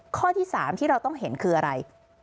ข้อที่๓ที่เราต้องเห็นคืออะไร